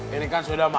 ini kan sudah mampus ya